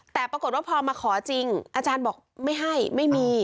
แต่ปรากฏว่าพอมาขอจริงอาจารย์บอกไม่ให้ไม่มี